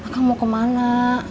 kang mau kemana